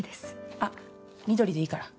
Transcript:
あっ翠でいいから。